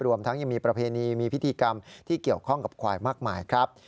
รวมทั้งยังมีประเพณีมีพิธีกรรมที่เกี่ยวข้องกับควายมากมายครับ